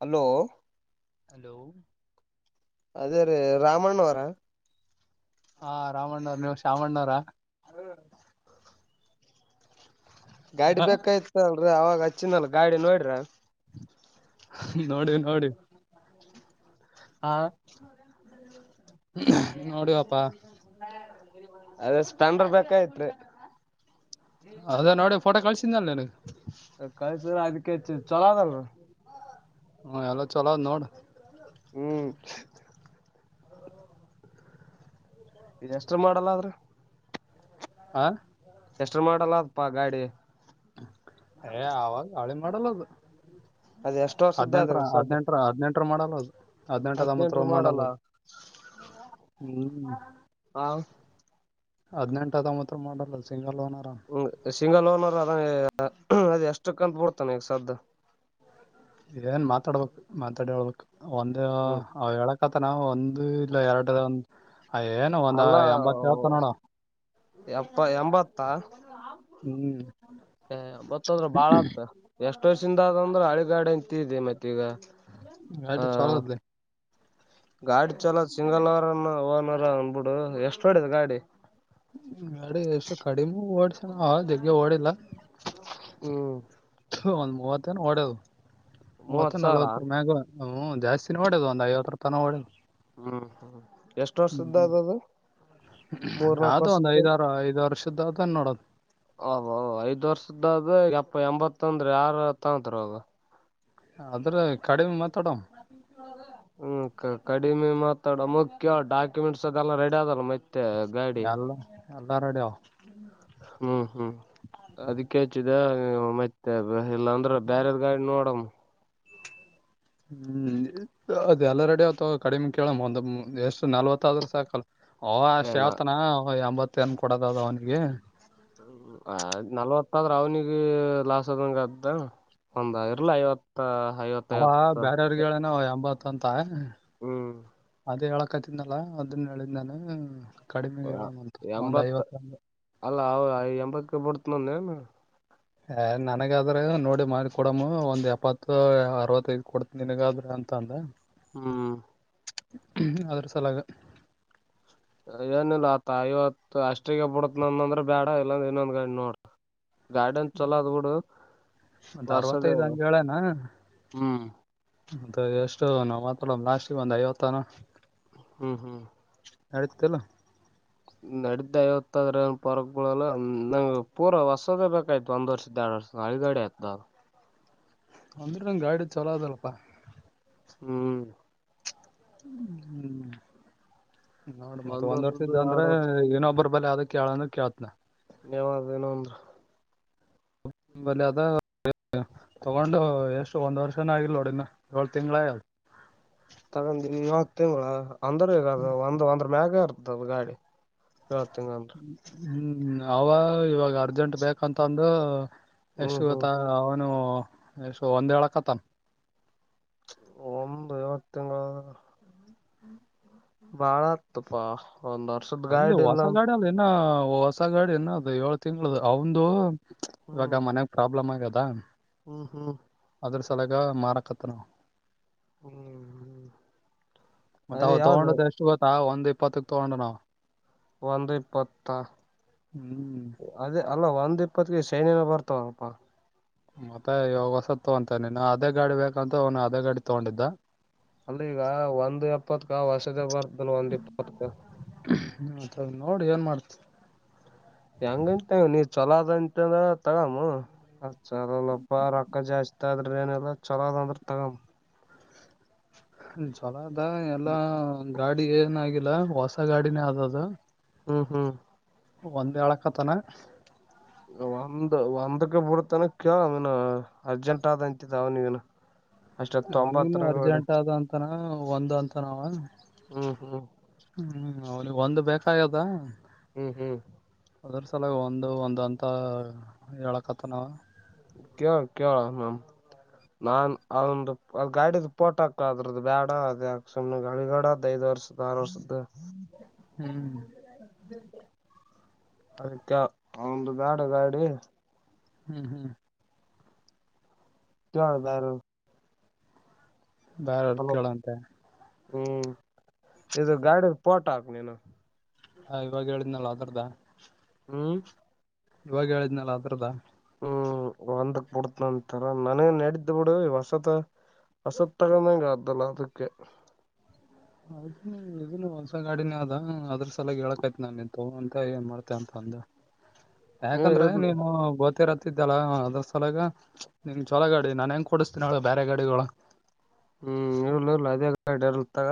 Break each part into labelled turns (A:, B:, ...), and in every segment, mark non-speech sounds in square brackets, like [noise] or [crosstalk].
A: Hello
B: hello
A: ಅದೇ ರೀ ರಾಮಣ್ಣವರ
B: ರಾಮಣ್ಣಾನವರ
A: ಗಾಡಿ ಬೇಕಾಯ್ತ ಅಲ್ರರಿ ಅವಾಗ ಹಚ್ಚಿನಲ್ ಗಾಡಿ ನೋಡ್ರ
B: ನೋಡಿ ನೋಡಿ
A: ಹಾ
B: ನೋಡಿವಪ್ಪಾ
A: ಅದೇ ಸ್ಪೆಂಡರ್ ಬೇಕಾಯಯಿತು
B: ಅೌದ ನೋಡಿ ಫೋಟೋ ಕಳ್ಸಿದಲ್ಲ ನಿನಗ
A: ಕಳ್ಸಿದ್ರ ಅದಕ್ಕೆಚ್ಚ ಚಲೋ ಅದಲ್ರಿ
B: ಹ್ಮ ಎಲ್ಲ ಚಲೋ ನೋಡ್
A: ಹ್ಮ್
B: [unintelligible]
A: ಇಷ್ಟರು ಮಾಡಲ್ಲ ಆದ್ರೆ
B: ಹಾ
A: ಎಷ್ಟ ಮಾಡೆಲ್ ಲಪ್ಪ ಗಾಡಿ
B: ಏ ಆವಾಗ ಹಳೆ ಮಾಡಲ್ ಅದು
A: ಅದ್ ಎಷ್ಟ್ ವರ್ಷದ್ದ
B: ಹದಿನೆಂಟರ
A: ಅದ್ರಿ ಸದ
B: ಹದಿನೆಂಟರ ಹದಿನೆಂಟರ ಮಾಡಲ್ ಅದು ಹದ್ನೆಂಟು ಹಾತೊಂಬತರ
A: ಹದ್ನೆಂಟರು
B: ಮಾಡಲ್
A: ಮಾಡಲ್ಲ
B: ಅದು ಹ್ಮ್
A: ಹ
B: ಹದಿನೆಂಟರ ಹಾತೊಂಬತ್ತು ಮಾಡೆಲ್ ಸಿಂಗಲ್ ಲೋನ್
A: ಹ ಸಿಂಗಲ್ ಓನರ್ ಅದ ಅದ್ ಎಷ್ಟಕ್ಕಂತ ಬಿಡ್ತಾನ ಈಗ ಸದ್ದು
B: ನ್ ಮಾತಾಡ್ಬೇಕು ಮಾತಾಡಹಳ್ಬೇಕು ಒಂದ
A: ಹ್ಮ್
B: ಅವ್ ಹೇಳಕತನ ಒಂದ್ ಅ ಇಲ್ಲ ಎರಡು ಏನು ಒಂದ್
A: ಅಲ್ಲ
B: ಎಂಬತ್ ಹೇಳ್ತಾನ ನೋಡ
A: ಎಪ್ಪ ಎಂಬತ್ತ
B: ಹ್ಮ್
A: ಗೊತ್ತದ್ರೆ ಬಾಳದ ಎಷ್ಟ್ ವಯಸಿಂದ ಅಂದ್ರೆ ಅಳ ಗಾಡೆ ಅಂತ ಇದೆ ಮತ್ತೆ ಈಗ
B: ಆಯ್ತು
A: ಹ
B: ಚಲೋ ಆದ್ರೆ
A: ಗಾಡಿ ಚಲೋ ಸಿಂಗಲ್ ಓರ್ ಓನರ್ ಅಂದ್ಬಿಡು ಎಷ್ಟು ಹೊಡದ ಗಾಡಿ
B: ಗಾಡಿ ಎಷ್ಟು ಕಡಿಮೆ ಓಡ್ಸಣ ಜಗ್ಗೆ ಓಡಿಲ್ಲ ಒಂದ್ ಮೂವತ್ತನ ಹೊಡದು
A: ಮೂವತ್
B: ಮೂವತ್ತ
A: ಸಾವಿರ
B: ನಲ್ವತ್ತರ ಮ್ಯಾಗ ಹ್ಮ ಜಾಸ್ತಿ ಹೊಡೋದು ಒಂದು ಐವತ್ತು ತಾನಾ ಹೋಡೋದ
A: ಹ್ಮ್ ಹ್ಮ್ ಎಷ್ಟು ವರ್ಷದ್ದ ಅದದು
B: ಅದು ಒಂದ್ ಐದಾರು ವರ್ಷದ್ದ ಅದ
A: ಹ ಐದು ವರ್ಷದಾದ ಎಂಬತ್ತೊಂದ್ರ ಯಾರ್ ತಕೊಂತಾರೆ ಇವಾಗ
B: ಅದ್ರ ಕಡಿಮೆ ಮತ್ತ
A: ಹ್ಮ್ ಕಡಿಮೆ ಮತ್ ಮುಖ್ಯ ಡಾಕ್ಯುಮೆಂಟ್ಸ್ ಅದೆಲ್ಲ ರೆಡಿ ಅದಲ್ಲ ಮತ್ತೆ ಗಾಡಿ
B: ಎಲ್ಲ ಎಲ್ಲಾ ರೆಡಿ
A: ಹ್ಮ್ ಹ್ಮ್ ಅದಕ್ಕೆ ಹೆಚ್ಚಿದೆ ಮತ್ತೆ ಇಲ್ಲಾಂದ್ರ ಬ್ಯಾರಾರ ಗಾಡಿ ನೋಡಮ್ಮ [inaudible]
B: ಹ್ಮ್ ಅದ ಎಲ್ಲ ರೆಡಿ ಆತ ಕಡಿಮೆ ಕೇಳ ಒಂದ್ ಎಷ್ಟು ನಲ್ವತ್ತಾದ್ರ ಸಾಕಲ್ ಓಹ ಅಷ್ಟ
A: ಏನ
B: ಯಾವತಾನ ಎಂಬತ್ತ ಏನ್ ಕೊಡದದ ಅವನಿಗೆ
A: ನಲ್ವತ್ತಾದ್ರ ಅವನಿಗೆ ಲಾಸ್ ಅದಂಗ ಅದ ಒಂದ ಇರ್ಲ ಐವತ್ತ ಐವತ್ತ
B: ಅವ
A: ಐವತ್ತು
B: ಬ್ಯಾರೆಯವ್ರಿಗೆ ಹೇಳೇನ [unintelligible]
A: ಹ್ಮ್
B: ಅದ ಹೇಳಕತನಲ್ಲ ಅದನ್ನ ಹೇಳಿದ ನಾನ ಕಡಿಮೆಗೆ ಹೇಳಮ್ಮಂತ ಒಂದು
A: ಎಂಬತ್
B: ಐವತ್ತಂದ
A: ಅಲ್ಲ ಎಂಬತಕ್ಕೆ ಬುಡ್ತಾನೇನು
B: ನನಗಾದ್ರಾಗ ನೋಡಿ ಮಾಡಿ ಕೊಡಮ್ಮೂ ಒಂದ್ ಎಪ್ಪತ್ತು ಅರವತ್ತೈದು ಕೊಡ್ತ ನಿನಗಾದ್ರ ಅಂತ ಅಂದ
A: ಹ್ಮ್
B: ಆದ್ರ ಸಲಾಗ
A: ಏನ ಇಲ್ಲ ಆತ್ತ ಐವತ್ತು ಅಷ್ಟಿಗೆ ಬಿಡತ್ನಂದ ಅಂದ್ರ ಬ್ಯಾಡ ಇಲ್ಲಾಂದ್ರ ಇನ್ನೊಂದ್ ಗಾಡಿ ನೋಡ್ [inaudible] ಗಾಡೇನ್ ಚೊಲೋ ಅದ ಬೂಡು
B: ಒಂದ್
A: ಹೊಸದ
B: ಅರವತ್ತೈದ್ ಹಂಗ ಹೇಳೇನ
A: ಹ್ಮ್
B: ಎಷ್ಟು ನಾ ಮಾತ್ರ ಲಾಸ್ಟ್ಗೇ ಒಂದ್ ಐವತ್ತನ
A: ಹ್ಮ್ ಹ್ಮ್
B: ನಡೀತತಿಲ್ಲ
A: ನಡ್ದ ಐವತ್ತಾದ್ರ ಏನ್ ಪರಕು ಬೀಳೋಲ್ಲ ನಂಗ್ ಪೂರಾ ಹೊಸದೇ ಬೇಕಾಗಿತ್ತು ಒಂದ್ ವರ್ಷದ ದ್ಯಾ [unintelligible]
B: ಅಂದ್ರೆ ನಂಗ್ ಗಾಡಿ ಚಲೋ ಅದಲ್ಪಾ
A: ಹ್ಮ್
B: ಹ್ಮ್ ನೋಡ್ ಮತ್ತ ಒಂದ್
A: ವರ್ಷದ್ದು
B: ವರ್ಷದ್ದ ಅಂದ್ರ
A: ಎರಡ್ ವರ್ಷ
B: ಏನೊಬ್ಬರ ಬಲೆೆ ಅದಿ ಕೇಳನ ಕೇಳ್ತನಿ
A: ನೀವ ವಿನೋಂದ್ರ
B: [unintelligible] ತಗೊಂಡು ಎಷ್ಟು ಒಂದ್ ವರ್ಷನ ಆಗಿಲ್ ನೋಡಿನ ಏಳ್ ತಿಂಗಳಾಗ್ಯಾದ
A: ತಗೊಂಡ್ ಏಳ್ ತಿಂಗಳ ಅಂದ್ರ ಈಗದ ಒಂದ್ ಒಂದ್ರ ಮ್ಯಾಗ ಇರ್ತದ ಗಾಡಿ ಏಳ್ ತಿಂಗಳಂದ್ರ
B: ಹ್ಮ್ ಅವ ಇವಾಗ ಅರ್ಜೆಂಟ್ ಬೇಕಂತಂದು
A: ಹ್ಮ್
B: ಎಷ್ಟು
A: ಹ್ಮ್
B: ಇವತ್ತ ಅವ ಇನ್ನು ಎಷ್ಟು ಒಂದ ಹೇಳಾಕತ್ತಾನ
A: ಒಂದು ಏಳ ತಿಂಗಳು ಅಂದ್ರ ಬಾಳ ಆತಪಾ ಒಂದ್ ವರ್ಷದ
B: ಎಲ್ಲಿ
A: ಗಾಡಿ ಇಲ್ಲ
B: ಹೊಸ
A: ಅಂತ
B: ಗಾಡಿ ಅಲ್ಲ ಇನ್ನ ಹೊಸ ಗಾಡಿ ಇನ್ನು ಅದು ಏಳ ತಿಂಗಳ ಅವಂದು
A: ಹ್ಮ್
B: ಇವಾಗ ಮನ್ಯಾಗ ಪ್ರಾಬ್ಲಮ್ ಆಗ್ಯದ
A: ಹ್ಮ್ ಹ್ಮ್
B: ಅದ್ರ ಸಲಾಗ ಮಾರಾಕತ್ತಾನೂ
A: ಹ್ಮ್
B: ಮತ್ತ
A: ಅದೇ
B: ಅವ
A: ಯಾವ್ದ
B: ತಗೊಂಡುದು ಎಷ್ಟು ಗೊತ್ತಾ ಒಂದ್ ಇಪ್ಪತ್ತಕ್ ತುಗೊಂಡಣಾವ
A: ಒಂದು ಇಪ್ಪತ್ತ
B: ಹ್ಮ್
A: ಅದೇ ಅಲ್ಲ ಒಂದ್ ಇಪ್ಪತ್ಗೆ ಶೈನೀನ ಬರ್ತವಪ್ಪಾ
B: ಮತ್ತೆ ಇವಾಗ ಹೊಸತ್ತುಗೊಂತಿಯಾ ನೀನು ಅದೇ ಗಾಡಿ ಬೇಕಂತ ಅವನು ಅದೇ ಗಾಡಿ ತುಗೊಂಡಿದ್ದ
A: ಅಲ್ಲೀಗ ಒಂದು ಎಪ್ಪತ್ಕ ಹೊಸಾದ ಬರ್ತಲ್ಲ ಒಂದು ಇಪ್ಪತ್ಕ
B: ನೋಡ ಏನ್ ಮಾಡ್ತೀ
A: ಹೆಂಗಂತಿ ಹಂಗ್ ನೀ ಚೊಲೋದಂತ ಅಂದ್ರ ತಗಾಮೂ ಚಲೋಲಪ್ಪ ರೊಕ್ಕ ಜಾಸ್ ಆದ್ರೆ ಏನೆಲ್ಲ ಚಲೋದ್ ಅಂದ್ರೆ ತಗಮೂ
B: ಚುಲೋ ಅದ ಎಲ್ಲ ಗಾಡಿ ಏನಾಗಿಲ್ಲ ಹೊಸ ಗಾಡಿನೇ ಆದದು
A: ಹ್ಮ್ ಹ್ಮ್
B: ಒಂದ ಹೇಳಕ್ಕತ್ತನ
A: ಒಂದ್ ಒಂದಕ್ಕೆ ಬರ್ತನ ಕೇಳ ಅವ್ನ ಅರ್ಜೆಂಟ್ ಆದ ಅಂತಿದ ಅವ ನೀವನ್
B: ಅವನಿನು ಅರ್ಜೆಂಟ್ ಆದ ಅಂತನ ಒಂದ ಅಂತನ ಅವ
A: ಹ್ಮ್ ಹ್ಮ್
B: ಹ್ಮ್ ಅವ್ನಿಗೆ ಒಂದು ಬೇಕಾಗದ
A: ಹ್ಮ್ ಹ್ಮ್
B: ಅದ್ರ ಸಲಾಗಿ ಒಂದು ಒಂದು ಅಂತ ಹೇಳಕತ್ತಾನವ
A: ಕೇಳ ಕೇಳವ್ನೊಮ್ ನಾನ್ ಅವಂದು ಅ ಗಾಡಿದ ಪೋಟಾಕ ಅದ್ರದ ಬೇಡ ಅದ ಯಕ ಸುಮ್ನೆ ಗಳಿಗಡದ ಐದ [unintelligible]
B: ಹ್ಮ್
A: ಐತಳ ಅವಂದು ಬ್ಯಾಡ ಗಾಡಿ
B: ಹ್ಮ್ ಹ್ಮ್.
A: [unintelligible]
B: ಬಾರ ಹೊಳ್
A: ಚಲೋ
B: ಕೇಳಂತ.
A: ಹ್ಮ್ ಇದು ಗಾಡಿಯ ಪೋಟ ಹಾಕ್ ನೀನು.
B: ಹ ಇವಾಗ ಹೇಳಿದ್ನಲ್ಲ ಅದರ್್ದ.
A: ಹ್ಮ್.
B: ಇವಾಗ ಹೇಳಿದ್ನಲ್ಲ ಅದ್ರದ್ದ.
A: ಹ್ಮ್ ಒಂದಕ್ ಬಿಡ್ತನ ಅಂತರ ನನಗ ನಡಿದ್ದ ಬಿಡು ಹೊಸತ. ಹಸತ್ತಗಂದಂಗ್ದಲ್ಲ ಅದಕ್ಕೆ.
B: ಹೌ ಇದನ್ನು ಹೊಲ್ಸ ಗಾಡಿನೇ ಅದ ಅದ್ರ ಸಲ ಹೇಳಕಾಯತಿ ನಾನ ನಿಂತ ಅಂತ ಏನ್ ಮಾಡ್ತೆ ಅಂತ. ಒಂದು ಯಾಕಂದ್ರೆ ನೀನು ಗೊತ್ತಿರ ಲ್ಲಾ ಅದ ಸಲಗ ನಿನ್ ಜೋಲ ಗಾಡಿ ನಾನನ್ ಹೆಂಗ ಕೊಡಿಸ್ತೀನ ಅವಳ ಬೇರೆ ಗಾಡಿಗಳು.
A: ಹ್ಮ್ ಇರ್ಲ ಇರ್ಲ ಅದೇಡತ್ತಾಗ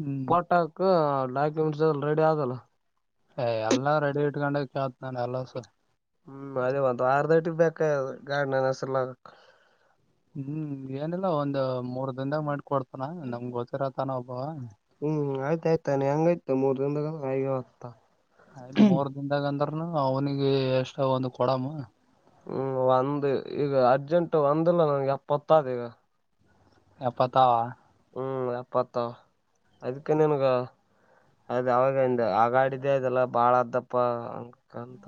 B: ಹ್ಮ್
A: ಪೋಟಕ್. ರೆಡಿ ಆಗಲ್ಲ.
B: ಎಲ್ಲಾ ರೆಡಿ ಇಟ್ಕೊಂಡ ಕೇಳತ ನಾನ ಎಲ್ಲಸ.
A: ಹ್ಮ್ ಅದೇ ಒಂದು ಆರ್ಧಟಿಗೆ ಬೇಕ ಗಾರ್ನನ್ಸಲ.
B: ಹ್ಮ್ ಏನಿಲ್ಲ ಒಂದ್ ಮೂರ್ ದನ್ದಾಗ ಮಾಡಕ ಕೊಡ್ತಾನ ನಮ್ಗೆ ಗೊತ್ತಿರತಾನ ಒಬ್ಬವ.
A: ಹ್ಮ್ ಆಯ್ತಾಯ್ತಾನೆ ಹೆಂಗಾಯಯ್ತ ಮೂರ್ ದಿನದ ಹ ಆಯ್ತು.
B: ಆಯ್ತ್ ಮೂರ್ ದಿನದಾಗ ಅಂದ್ರನು ಅವ್ನಿಿಗೆ ಎಷ್ಟಾಗ ಒಂದು್ ಕೊಡಮ್ಮ.
A: ಹ್ಮ್ ಒಂದು ಈಗ ಅರ್ಜೆಂಟ್ ಒಂದಿಲ್ಲ ನನ್ಗೆ ಎಪ್ಪತ್ತಾದ ಈಗ.
B: ಎಪ್ಪತಾವ.
A: ಹ್ಮ್ ಎಪ್ಪತ್ತ ಅದಕ್ಕೆ ನಿನಗೆ. ಅದ್ ಅವಾಗಂದ ಆಗಾಡಿದ್ದೇ ಇದೆಲ್ಲ ಬಾಳ ಅ್ದಪ್ಪ. ಕಂತ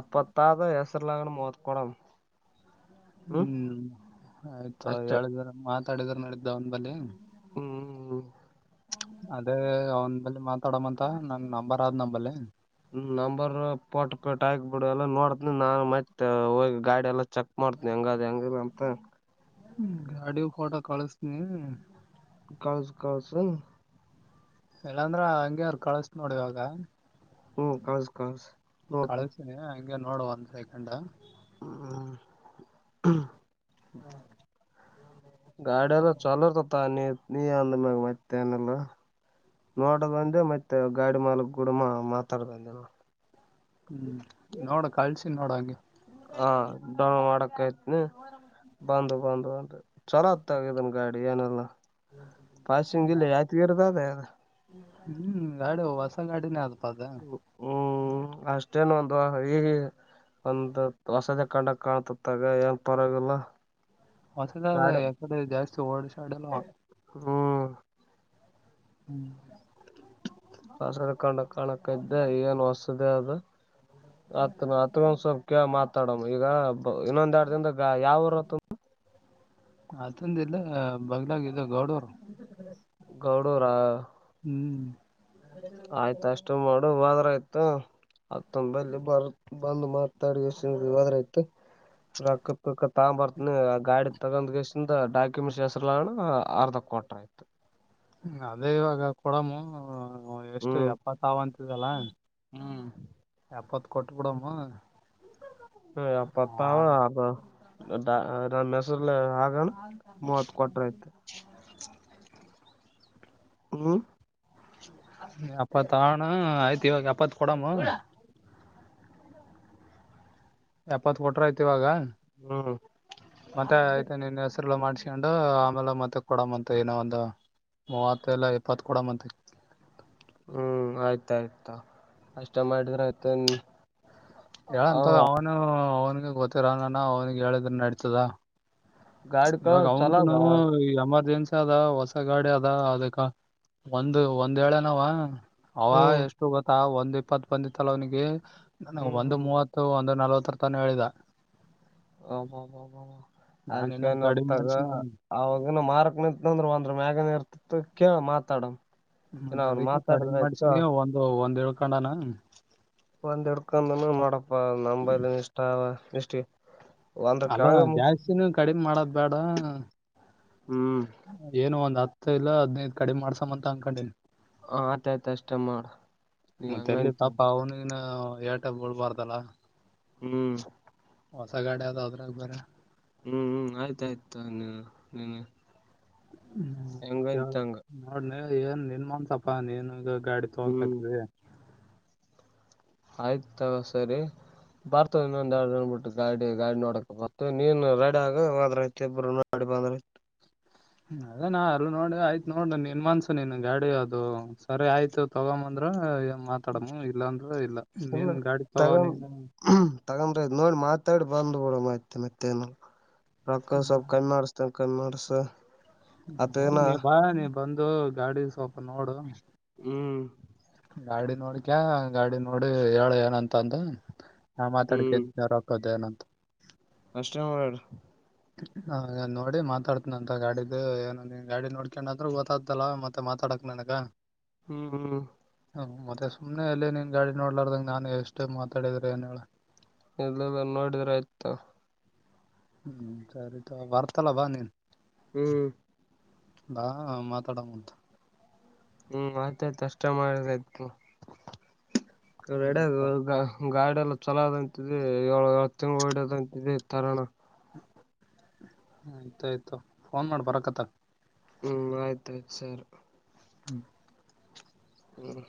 A: ಎಪ್ಪತ್ತದು ಹೆಸರುಲಾಗನ ಮೋತ್ಕಡ.
B: ಹ್ಮ್ ಆಯ್ತು
A: ಅಷ್ಟೆ
B: ಹೇಳಿದ್ರ ಮಾತಾಡಿದ್ರ ನಡಿದ್ದ ಒಂದ ಬಲ್ಲಿ.
A: ಹ್ಮ್
B: ಅದೇ ಅವನ ಬಲ್ಲಿ ಮಾತಾಡಮ್ಮಂತ ನನ್ ನಂಬರ್ ಆದ್ ನಂಬಲ್ಲಿ.
A: ನಂಬರ್ ಪಟ್ ಕೊಟ್ಟ ಆಕ್ ಬಿಿಡು ಎಲ್ಲ ನೋಡತನಿ ನಾನ್ ಮೈತ್ ಹೋಗ. ಗಾಡಿ ಎಲ್ಲ ಚೆಕ್ ಮಾಡ್ತನಿ ಹೆಂಗದ್ ಹೆಂಗಿಲ್ಲ ಅಂತ.
B: ಹ್ಮ ಗಾಡಿ ಫೋಟೋ ಕಳಸ್ತನಿ.
A: ಕಳಸ ಕಳಸ ಅನ್.
B: ಇಲ್ಲಾಂದ್ರ ಹಂಗಗೆರು ಕಳಸತನ ನೋಡ ಇವಾಗ.
A: ಹ್ಮ ಕಳಸ ಕಳಸ.
B: ಕಳ್ಸೀಿನಿ ಹಂಗೆ ನೋಡು ಒಂದ್ ಸೆಕಂಡ.
A: ಹ್ಮ ಹ್ಮ. ಗಾಡಿಯಲ್ಲ ಚಲತತ ಅಾನ. ನೀ ಅಂದಮಾಗ ಮತ್ತೇನ ಇಲ್ಲಾ. ನೋಡದ ಬಂದೆ ಮತ್ತೆ ಗಾಡಿ ಮಾಲಕ್ ಗೂಡ ಮಾ ಮಾತಾಡಂದಲ್ಲ.
B: ಹ್ಮ್ ನೋಡ ಕಳ್ಸಿ ನೋಡ ಹಂಗೆ.
A: ಹಾ ಡೌನ್ ಮಾಡಕ್ ಆಯತ್ನ. ಬಂದು ಬಂದು ಬಂದ ಚಲೋ ತಗಿದನ್ ಗಾಡಿ ಏನೆಲ್ಲ. ಪಾಸಿಂಗ್ ಇಲ್ಲಿ ಆಯ್ತಗರುದ ಅದ.
B: ಹ್ಮ್ ಗಾಡಿ ಹೊಸ ಗಾಡಿನೇ ಅದು.
A: ಹ್ಮ್ ಅಷ್ಟೇನ್ ಒಂದು ಈ ಒಂದು ಹೊಸದ ಕಂಡಕ್ ಕಾಣತತ್ತಗ ಏನ್ ಪರವಾಗಿಲ್ಲ.
B: ಹೊಸದ
A: ಗಾಡಿ
B: ಯಕಡೆ ಜಾಸ್ತಿ ಓಡ್ ಶ್ಯಾಡಿಲ್ಲ ಅವ.
A: ಹ್ಮ್
B: ಹ್ಮ್.
A: [unintelligible] ಹತ್ ನ ಅತ್ೊಂದ್ಸಬ್ ಕ ಮಾತಾಡಮ್ಮ ಈಗ ಇನ್ನೊಂದ್ ಎರಡ್ ದಿಂದ ಯಾವರಾ [inaudible]
B: ಅತಂದ ಇಲ್ಲ ಬಗ್ಲಾಗ ಗೌಡವರು.
A: ಗೌಡೂರ
B: ಹ್ಮ್
A: ಆಯ್ತ ಅಷ್ಟು ಮಾಡು ಹದ್ರ ಆಯ್ತ ಅತ್ತಂದಲ್ಲಿ ಬರ್ ಬಂದು ಮಾತಾಡಿದ್ರಯ್ತು ರೊಕ್ಕ ಪಕ್ಕ ತಾ ಬರ್ತನಿ ಗಾಡಿ ತಗಂದ್ ಕೆಸ ಡಾಕ್ಯುಮೆಂಟ್ಸ್ ಹೆಸರುನ ಅರ್ಧ ಕೊಟ ಆಯ್ತು
B: ಅದೇ ಇವಾಗ ಕೊಡಮು ಹ ಎಷ್ಟು
A: ಹ್ಮ್
B: ಎಪ್ಪತ್ವಂತಿದಲ್ಲ ಎಪ್ಪತ್ ಕೊಟ್ ಬಿಡಮ್ಮ
A: ಹ ಅ ಅಪ್ಪ ಅಲ್ಲ ಆಗಣ ಮೂವತ್ ಕೊಟ್ರ ಐತ ಹ್ಮ್
B: ಎಪ್ಪತ್ತಣ ಆಯ್ತು ಇವಾಗ ಎಪ್ಪತ್ ಕೊಡಾಮ ಎಪ್ಪತ್ ಕೊಟ್ರ ಆಯ್ತಿ ಇವಾಗ
A: ಹ್ಮ್
B: ಮತ್ತೆ ಆಐ್ತ ನಿನ್ ಹೆಸರುಲ್ಲ ಮಾಡ್ಸ್ಕೊಂಡು ಆಮೇಲೆ ಮತ್ತೆ ಕೊಡಮ್ಮಂತ ಏನೋ ಒಂದು ಮೂವತ್ತ ಎಲ್ಲ ಇಪ್ಪತ್ ಕೂಡ ಮತ್
A: ಹ್ಮ್ ಆಯ್ತಾಯ್ತಾ ಅಷ್ಟ ಮಾಡಿದ್ರೆ ಆಯ್ತು
B: ಹೇಳಂತ ಅವನು ಅವನಿಗೆ ಗೊತ್ತಿರ ನಾನ ಅವನಿಗೆ ಹೇಳಿದ್ರ ನಡತದ
A: ಗಾಡಿ
B: ಇವಾಗ
A: ಕಲರ್ ಚಲೋ
B: ಅವಂತುನು
A: ಅದ
B: ಎಮರ್ಜೆನ್ಸಿ ಅದ ಹೊಸ ಗಾಡಿ ಅದ ಅದಕ್ಕೆ ಒಂದು ಒಂದೆನಾವ ಅವ
A: ಹ್ಮ್
B: ಎಷ್ಟು ಗೊತ್ತಾ ಒಂದ್ ಇಪ್ಪತ್ ಬಂದಿತ್ತಲ ಅವ್ನಿಗೆ
A: ಹ್ಮ್
B: ಒಂದು್
A: ಹ್ಮ್
B: ಮೂವತ್ತು ಒಂದು್ ನಲ್ವತ್ತು ತ್ರರ್ತಾನ ಹೇಳಿದ
A: ಆ
B: ನಾನ್ ಇನ್ನ
A: ಅದಕನ್
B: ಕಡಿಮೆ
A: ಒತ್ತತಾಗ
B: ಮಾಡ್ಸಿನ
A: ಅವಾಗನ ಮಾರಕ್ ನಿಂತಂದ್ರ ಒಂದ್ರ ಮ್ಯ ಮ ಕ ಮಾತಾಡಂ
B: ಮತ್ತ ಅದಕ್ಕೆ ಕಡಿಮೆ ಮಾಡಸಿನಿ ಒಂದು ಒಂದ್ ಏಳ್ ಕನ
A: ಒಂದ್ ಹಡ್ಕೊಂಡ ಮಾಡಪ್ಪ ನಂಬ ಇಷ್ಟ ಇಷ್ಟ ಒಂದ್ರ
B: ಅಲ್ಲ
A: ಕೆಳಗ ಮುಗಿಸಿ
B: ಜಾಸ್ತಿನೂ ಕಡಿಮೆ ಮಾಡೋದ್ ಬೇಡ
A: ಹ್ಮ್
B: ಏನು ಒಂದ್ ಹತ್ತು ಇಲ್ಲ ಹದ್ನೈದು ಕಡಿಮ ಮಾಡ್ಸಮ್ಮಂತ ಅಂಗಕೊಂಡೀನಿ
A: ಹ ಆಯ್ತಾಯಯ್ತ ಅಷ್ಟ ಮಾಡ ನೀ
B: ಮತ್ತ್ ಎಲ್ಲಿ
A: ಹಂಗಂತ
B: ಪಾಪ ಅವನಿಗಿನ ಏಟ ಬಳ್ಬಾರ್ದಲ್ಲ
A: ಹ್ಮ್
B: ಹೊಸ ಗಾಡಿ ಯಾವದ ಅದ್ರಾಗ ಬರ
A: ಹ್ಮ್ ಹ್ಮ್ ಆಯ್ತಾಯ್ತು ನೀ ನೀ
B: ಹ್ಮ ಮ ಕೇಳ ನೋಡ್ನೆ ಏನ್ ನಿನ್ ಮನ್ಸಪ ನೀನು ಗಾಡಿ
A: ಹ್ಮ್
B: ತೋಕಕ್ದೆ
A: ಆಯ್ತ ತಗ ಸರಿ ಬರ್ತವ ಇನ್ನೊಂದ್ ಎರಡು ಜನ್ ಬಿಟ್ಟು ಗಾಡಿ ಗಾಡಿ ನೋಡಕ ಬರ್ವಿ ನೀನ್ ರೆಡಿ ಆಗ ಹದ್ರಬ್ಬರು. ಬಂದ್ರ
B: ಅದೇ ನಾ ಅರು ನೋಡಿ ಆಯ್ತತ್ ನೋಡ ನಿನ್ ಮನ್ಸು ನೀನ್ ಗಾಡಿ ಅದು ಸರಿ ಆಯ್ತು ತಗೊಂದ ಮಾತಾಡ ಇಲ್ಲ ಅ
A: ಇಲ್ಲ ತಗೊಂಡ ತಗೊಂಡ್ರ ನೋಡಿ ಮಾತಾಡ್ ಬಂದು್ ಕೂಡ ಮಾಹಿತಿ ಮತ್ತೆನು ರಕ್ಕ ಸ್ವಲ್ಪ ಕಣಾಡಸ್ತನ ಕಣಾಡ್ಸ
B: ಹಓ ನೀ ಬಾ ನೀ ಬಂದು ಗಾಡಿ ಸ್ವಲ್ಪ ನೋಡು
A: ಹ್ಮ್
B: ಗಾಡಿ ನೋಡಿಕ ಗಾಡಿ ನೋಡಿ ಹೇಳ ಏನಂತ ಅಂದ ಹಾ
A: ಹ್ಮ್
B: ಮಾತಾಡ್ಕ ರಾಕೋದೇನ
A: ಇಷ್ಟವಡ
B: ಹ ನೋಡಿ ಮಾತಾಡ್ತನ ಅಂತ ಗಾಡಿದು ಏನ ಗಾಡಿ ನೋಡ್ಕೊಂಡಾದ್ರೂ ಗೊತ್ತಾಗತಲ್ಲ ಮತ್ತೆ ಮಾತಾಡ್ ಪಕ್ ನನಕ್ಕಾ
A: ಹ್ಮ್ ಹ್ಮ್
B: ಹ ಮತ್ತೆ ಸುಮನೆ ಎಲ್ಲಿ ನಿನ್ ಗಾಡಿ ನೋಡ್ಲಾರದಂಗ ನಾನು ಎಷ್ಟೇ ಮಾತಾಡಿದ್ರಿ ಏನ್ ಹೇಳ
A: ಎಲ್ಲ ನೋಡಿದ್ರ ಆಯ್ತ
B: ಹ್ಮ್ ಸರಿತ ಬರ್ತಲ್ಲ ಬಾ ನೀನ್
A: ಹ್ಮ್
B: ಹಾ ಮಾತಾಡಂತ
A: ಹ್ಮ್ ಮತ್ತ ಕಷ್ಟ ಮಾಡತ ಗಾಡಿ ಎಲ್ಲ ಚಲೋದಂತಿದೆ ಏಳ ಏಳ ತಿಂಗಳು ಹೊಡದಂತಿ ತರಣ
B: ಆಯ್ತ ಆಯ್ತು ಫೋನ್ ಮಾಡ್ ಬರಕ್ಕತ್ತ
A: ಹ್ಮ್ ಆಯ್ತ ಆಾಯ್ತು ಸರ್
B: ಹ್ಮ್
A: ಹ್ಮ್